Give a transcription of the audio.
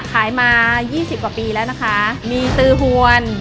ขายมายี่สิบกว่าปีแล้วนะคะมีตือหวน